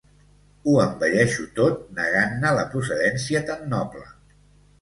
Ho embelleixo tot negant-ne la procedència tan noble.